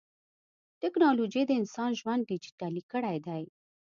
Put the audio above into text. ټکنالوجي د انسان ژوند ډیجیټلي کړی دی.